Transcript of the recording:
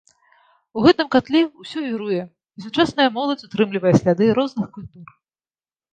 У гэтым катле ўсё віруе, і сучасная моладзь утрымлівае сляды розных культур.